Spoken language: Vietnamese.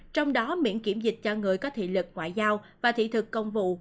trong đó miễn kiểm dịch cho người có thị lực ngoại giao và thị thực công vụ